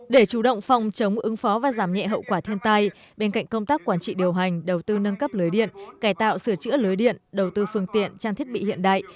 để chủ động phòng chống ứng phó và giảm nhẹ hậu quả thiên tai bên cạnh công tác quản trị điều hành đầu tư nâng cấp lưới điện cải tạo sửa chữa lưới điện đầu tư phương tiện trang thiết bị hiện đại